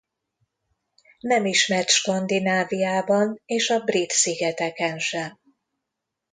Nem ismert Skandináviában és a Brit-szigeteken sem.